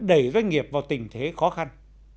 đẩy doanh nghiệp vào tình thế khó khăn